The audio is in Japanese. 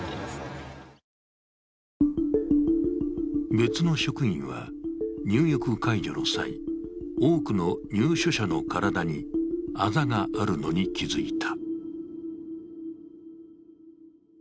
別の職員は、入浴介助の際、多くの入所者の体にあざがあるのに気づいた。